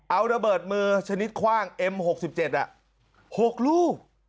เอาระเบิดมือชนิดคว่างเอ็มหกสิบเจ็ดอ่ะหกลูก